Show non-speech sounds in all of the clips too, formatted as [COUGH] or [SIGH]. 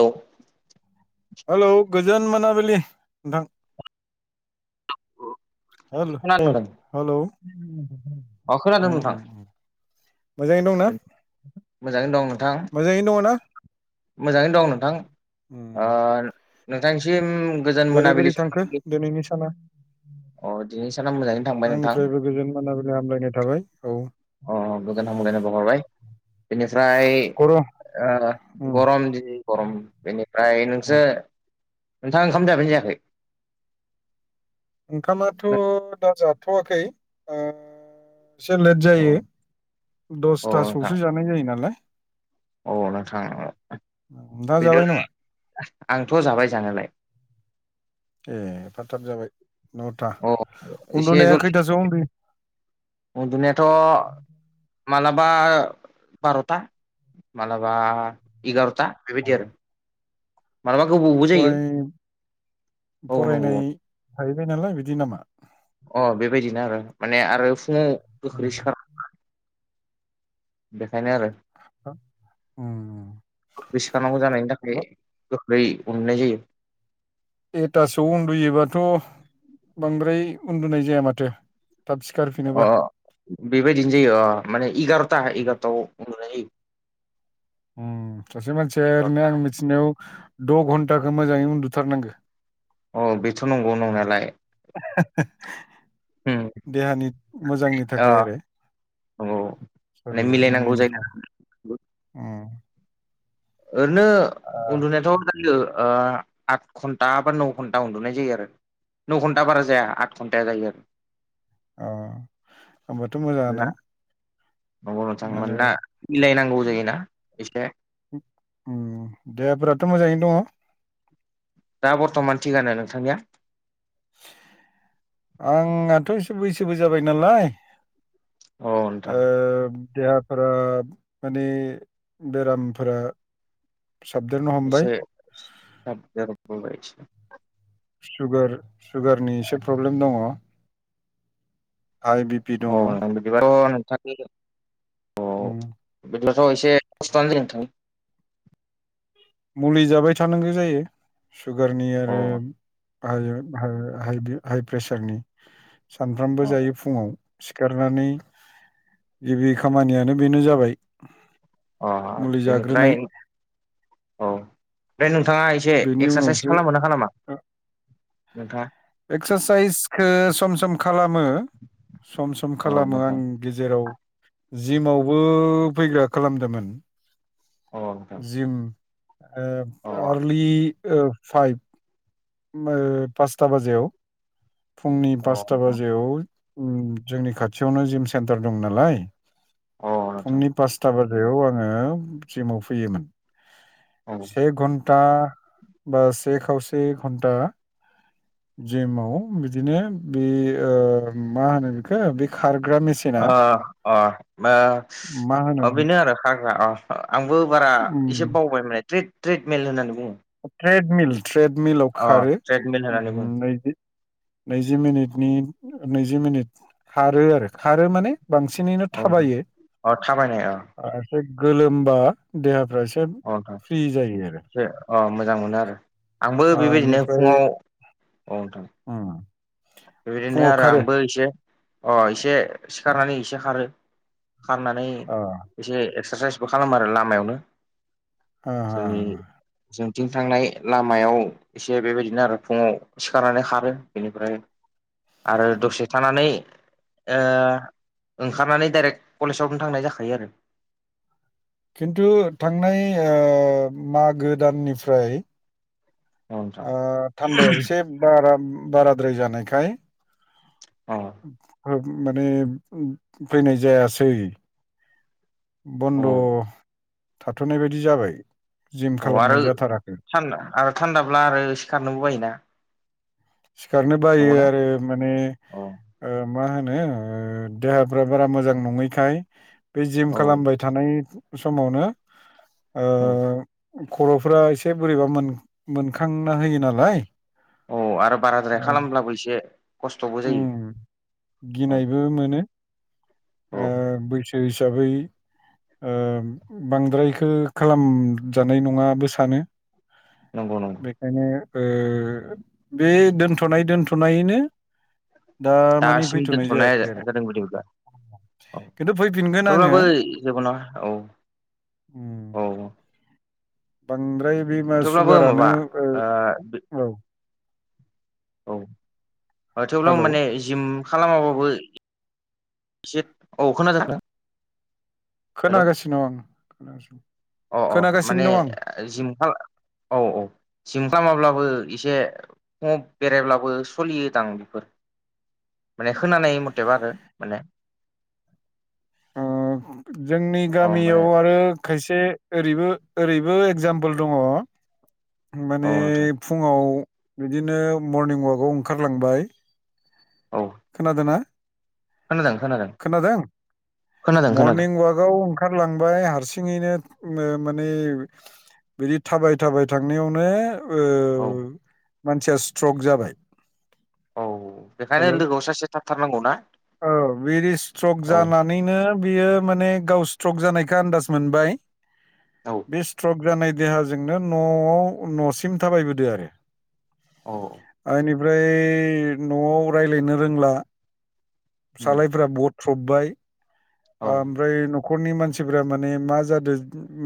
औ हेलौ गोजोन मोनाबिलि नोंथां हेल खोनादों नोंथां हेल' अ खोनादों नोंथां। मोजाङै दंना? मोजाङैनो दं नोंथां। मोजाङैनो दङ ना मोजाङैनो दं नोंथां ओ उम नोंथांसिम गोजोन बोरै मोनाबिलि बोरै थांखो दिनैनि साना अ दिनै साना मोजाङैनो थांबाय नोंथां। आंनिफ्रायबो गोजोन मोना नाय थाबाय औ अ गोजोन हामलायनाय बाउहरबाय बेनिफ्राय गर' ओ उम गरम जि गरम बेनिफ्राय उम नोंसो नोंथाङा ओंखाम जाबायना जायाखै? ओंखामाथ' दा जाथ'वाखै ओ एसे लेट औ जायो औ नोंथां दसथासोआवसो जानाय जायो नालाय औ नोंथां नोंथाङा जाबाय बिदिब्ला नामा? आंथ' जाबाय जानायलाय। ए एफा थाब जाबाय न'था अ एसे उन्दुनाया जलदि खैथासोआव उन्दुयो उन्दुनायाथ' मालाबा बार'था मालाबा एगार'था बेबायदि आरो मालाबा गोबावबो जायो फराय औ नंगौ। फरायनाय थाहैबाय नालाय बिदि नामा। अ बेबायदिनो आरो माने आरो फुङाव गोख्रै सिखार देखाय नो आरो। उम गोख्रै सिखार नांगौ जानायनि थाखाय बा गोख्रै अननाय जायो। एथासोआव उन्दुयोबाथ' बांद्राय उन्दुनाय जाया माथो थाब अ सिखारफिनोबा बेबायदिनो जायो अ माने एगार'था एगार'थाआव उन्दुनाय जायो ओम सासे मानसिया ओरैनो एगार'था आं मिथिनायाव द' घन्टाखो मोजाङै उन्दुथारनांगो अ बेथ' नंगौ नंनायालाय उम देहानि मोजांनि थाखाय आरो औ माने मिलायनांगौ जायोना आरो ओम ओरैनो उन्दुनायाथ' दो ओ आद घन्टा बा नौ घन्टा उन्दुनाय जायो आरो न' घन्टा बारा जाया आद घन्टाया जायो आरो अ होनब्लााथ' ना मोजाङानो नंगौ नोंथां माने मानना मिलायनांगौ जायोना एसे ओम देहाफोरााथ' मोजाङैनो दङ? दा बर्थमान थिगानो नोंथांनिया? आंहाथ' एसे बैसोबो जाबाय नालाय औ नोंथां ओ देहाफोरा माने बेरामफोरा साबदेरनो हम एसे साबदेर बोबाय सुगार सुगारनि एसे प्रब्लेम दङ हाई बि अ नोंथां बिदिबाथ' नोंथांनि ओम होनबाथ' एसे खस्थआनो जायो नोंथां? मुलि जाबाय थानांगोजायो सुगारनि आरो अ हाओ हाओ हाई बे हाई प्रेसारनि सानफ्रामबो अ जायो फुङाव सिखारनानै गिबि खामानियानो बेनो जाबाय अ मुलि बेनिफ्राय जाग्रोनाय औ दे नोंथाङा इस एसे बेनि एक्सारसाइस उनावसो खालामोना खालामा नोंथाङा? एक्सारसाइसखो सम सम खालामो सम सम औ खालामो आं नोंथां गेजेराव जिमावबो फैग्रा खालामदोमोन औ नोंथां जिम ओ अ आरलि ओ फाइभ ओब ओ पासथा बाजायाव फुंनि अ पासथा नोंथां बाजियाव ओ जोंनि खाथियावनो जिम सेन्टार दं नालाय अ नोंथां फुंनि पास स्था बाजायाव आङो जिमाव फैयोमोन औ ओ से घन्ट टा बा से खावसे घन्टा जिमाव बिदिनो बे ओ मा होनो बेखो बे खारग्रा मेचि ओ ओ ओ मा अ होनो बेनो आरो हाग्रा अ आंबो बारा उम, एसे बावबायमोने ट्रेड ट्रेडमेल होननानै बुङो ट्रेडमिल ट्रेडमिलाव अ खारो ट्रेडमेल होननानै ओम बुङो नैजि नैजि मिनिटनि ओ नैजि मिनिट खारो आरो खारो माने बांसिनैनो औ नोंथां थाबायो अ थाबायनाय अ एसे गोलोमबा देहाफ्रा एसे अ नोंथां फ्रि जायो आरो एसे अ मोजां मोनो आरो आंबो ओ बेबायदिनो इनिफ्राय फुङाव औ नोंथां उम बेबायदिनो फुङाव आरो खारो आंबो एसे अ एसे सिखारनानै एसे खारो खारनानै ओ एसे एक्सारसाइसबो खालामो आरो लामायावनो हो हो जोंनि जोंथिं थांनाय लामायाव एसे बेबायदिनो आरो फुङाव सिखारनानै खारो बेनिफ्राय आरो दसे थानानै ओंखारनानै डाइरेक्ट कलेजावनो थांनाय जाखायो आरो खिन्थु थांनाय मागो दाननिफ्राय औ नोंथां थान्दाया एसे बारा बाराद्राय जानायखाय अ [UNINTELLIGIBLE] माने फैनाय जायासै औ बन्द' थाथ'नाय बायदि जाबाय जिम औ आरो खालामनाय जाथाराखै थान्दा आरो थान्दाब्ला आरो एसे खारनोबो बायोना सिखारनो बायो नंगौना आरो माने औ मा होनो देहाफ्रा बारा मोजां नङैखाय बे जिम औ खालामबाय थानाय समावनो औ खर'फोरा एसे बोरैबा मोनखांना होयो नालाय औ आरो बाराद्राय ओ खालामब्लाबो एसे खस्थ'बो जायो औ गिनायबो मोनो औ बैसो हिसाबै बांद्रायखो खालामजानाय नङाबो सानो नंगौ नंगौ नंगौ बेखायनो बे दोनथ'नाय दोनथ'नायैनो दा माने दासिम फैथ'नाय दोनथ'नाय जायाखै आरो जादों बिदिब्ला औ खिन्थु फैफिनगोन आङो थेवब्लाबो जेबो नङा औ उम औ बांद्राय बे मा थेवब्लाबो माबा सुगारानो औ औ थेवब्लाबो हेलौ माने जिम खालामाबाबो एसे औ खोनादों नोंथां खोनागासिनो आं खोनासिनो द आं जिमखा औ औ जिम खालामाब्लाबो एसे बेरायब्लाबो सोलियोदां बेफोर माने खोनानाय मथेबा आरो माने जोंनि अ माने गामियाव आरो खायसे ओरैबो ओरैबो एगजामपोल दङ औ माने नोंथां फुङाव बिदिनो मरनिं अवाकआव ओंखारलांबाय औ खोनादोंना खोनादों खोनादों खोनादों खोनादों मरनिं ववाकाव ओंखारलांबाय हारसिङैनो माने बिदि थाबाय थाबाय थांनायावनो औ मानसिया स्ट्रक जाबाय औ बेखायनो हेलौ लोगोआव सासे थाबथारनांगौ ना औ बिदिि स्ट्रक औ जानानैनो बियो माने गाव स्ट्रक जानायखौ आन्दाज मोनबाय औ बे स्ट्रक जानाय देहाजोंनो न'आव न'सिम थाबायबोदों आरो औ इनिफ्राय न'आव रायज्लायनो रोंला उम सालायफ बथ्रबबाय औ ओमफ्राय न'खरनि मानसिफ माने मा जादों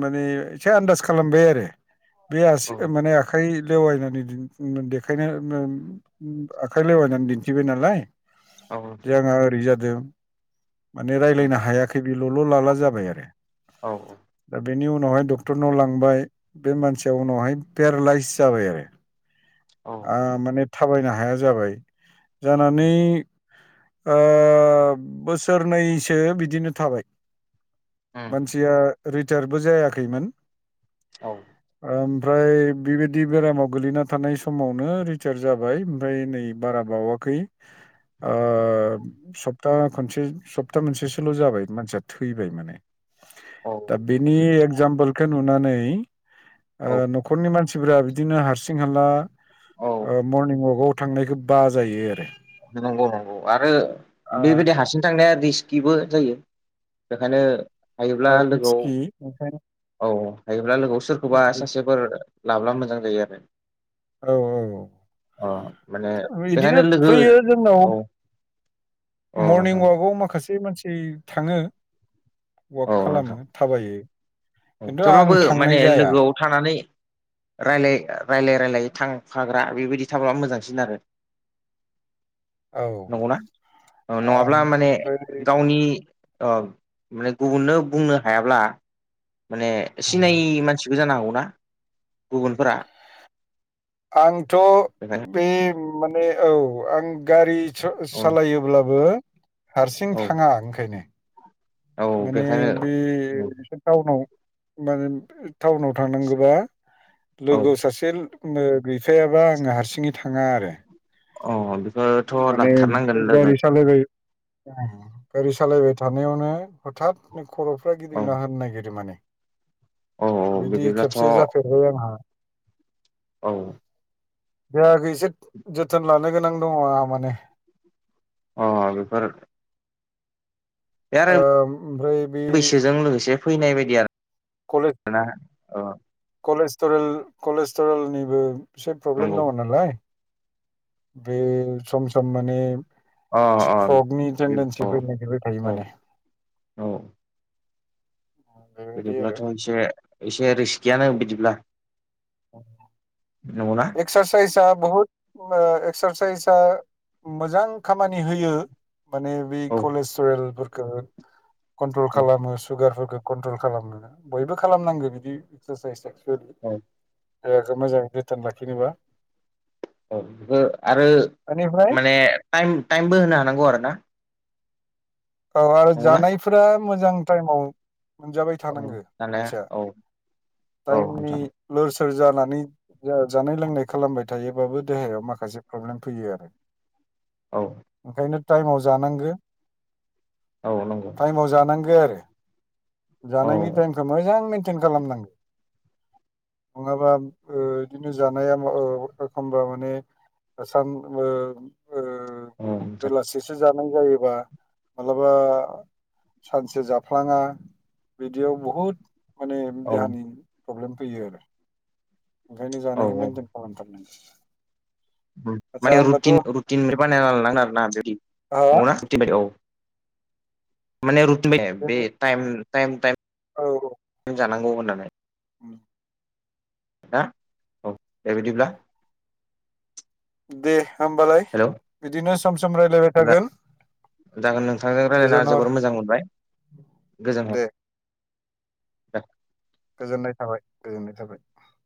माने एसे आन्दास खालामबाय आरो बे औ आसिखौ माने आखाइ लेवायनानै देखायनो आखाइ लेवायनानै दिन्थिबाय नालाय औ जोंहा ओरै जादों माने उम रायज्लायनो हायाखै ल'ल' लाला जाबाय आरो औ दा बेनि उनावहाय डक्टरनाव लांबाय बे मानसिया उनावहाय पेरालाइस जाबाय औ आरो माने थाबायनो हाया जाबाय जानानै उम बोसोरनैसो बिदिनो थाबाय मानसिया रिटीयार‌ बो जायाखैमोन औ ओमफ्राय बेबायदि बेरामाव गोलैना थानाय समावनो रिटीयार जाबाय ओमफ्राय नै बारा बावाखै सप्ता खनसे सप्ता मोनसेसोल' जाबाय मानसिया थैबाय माने औ दा बेनि बिदिनोथ' एक्जामपोलखौ नुनानै औ न'खरनि मानसि खानसिब बिदिनो हारसिं हाला औ मरनिं अक आव थांनायखौ बा जायो आरो नंगौ नंगौ आरो ओ बेबायदि हारसिं थांनाया बिबो जायो बेखायनो हायोब्ला औ रिस्कि ओंखायनो लोगोआव औ हायोब्ला लोगोआव सोरखौबा सासेफोर लाब्ला मोजां जायो आरो औ औ अ माने बेखायनो बिदिनो लोगो फैयो जोंनाव औ औ मरनिं नोंथां वाकआव माखासे मानसि थाङो वाक औ नोंथां खालामो थाबायो खिन्थु थेवब्लाबो आं माने थांनाय जाया लोगोआव थानानै रायलाय रायलाय थांफाग्रा बेबायदि थाब्ला मोजांसिन आरो [INAUDIBLE] नंगौना नङाब्ला आम- माने ओमफ्राय गावनि माने गुबुननो बुंनो हायाब्ला माने सिनायि मानसिबो जानो हागौना गुबुनफोरा आंथ' बेखायनो बे माने औ आं गारि सालायोब्लाबो हारसिं औ थाङा ओंखायनो औ माने बेखायनो बे नोंसोर टाउनाव माने टाउनाव थांनांगौबा औ लोगो सासे नो गैफायाबा आङो हारसिङै थाङा आरो अ माने बे गारि सालायबाय गारि सालायबाय थानायावनो हथात खर'फ्रा औ गिदिंना होनो नागिरो माने औ बिदि बिदिब्लाथ' खेबसे औ जाफेरबाय आंहा औ देहाखौ एसे जोथोन लानो गोनां दङ आंहा माने अ बेफोर बे आरो ओ ओमफ्राय बे बैसोजों लोगोसे फैनाय बायदि आरो खले माना औ कलेजटलेर कलेस्टरेलनिबो एसे प्रब्लेम नंगौ दङ नालाय बे सम सम माने अ स्रकनिजेडन्सि औ फैनो नागिरबाय थायो औ माने औ बेबायदि आरो बिदिब्लाथ' एसे एसे रिस गैय न बिदिब्ला नंगौना एक्सारसाइजआ बहुत एक्सारसाइजआ मोजां खामानि होयो माने बे औ कलेस्ट्रेलफोरखौ कन्ट्रल औ खालामो सुगारफोरखौ कन्ट्रल खालामा बयबो खालामनांगौ बिदि एक्सारसाइस एक्सुेलि औ देहाखौ मोजाङै जोथोन लाखिनोबा औ बेखौ आरो बेनिफ्राय मानेम टाइमबो होनो हानांगौ आरो ना औ आरो नंगौना? जानायफोरा मोजां टाइमाव मोनजाबाय औ थानांगो दाना मानसिया औ औ टाइमनि नोंथां लोर सोर जानानै जानाय लोंनाय खालामबाय थायोबाबो देहायाव माखासे प्रब्लेम फैयो आरो। औ ओंखायनो टाइमाव जानांगो। औ नंगौ म जांगोन आरो औ जानायनि टाइमखौ मोजां मइेनटेन खालामनांगौ। नङाबा बिदिनो जानाया एखमबा माने स औ नोंथां बेलासि खसो जानाय जायोबा मालाबा सानसे जाफ्लाङा। बिदियाव बहुद माने औ देहानि प्रब्लेम फैयो आरो। ओंखायनो औ जानायखौ मेेनटेन खालामथारनांगो। माने रु रुन बानायना लांगोन आरोना बिदि आहा नंगौना? दिनै [UNINTELLIGIBLE] औ औ। जानांगौ होननानै। औ ना औ दे बिदिब्ला। दे होमबालाय हेलौ बिदिनो सम सम राय्लायबाय थागोन। जागोन नोंथांजों रायज्लायना गोजोन हर जोबोर मोजां मोनबाय गोजोन दे हर। गोजोननाय थाबाय गोजोननाय थाबाय।